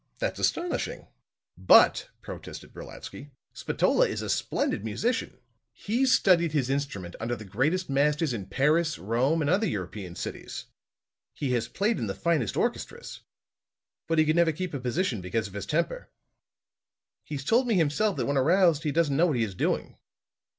"That's astonishing." "But," protested Brolatsky, "Spatola is a splendid musician. He's studied his instrument under the greatest masters in Paris, Rome and other European cities. He has played in the finest orchestras. But he never could keep a position because of his temper. He's told me himself that when aroused he doesn't know what he is doing."